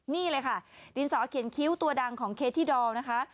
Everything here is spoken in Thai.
นี่เลยค่ะดินสอเขียนคิ้วตัวดังของเคสที่ดอลนะคะ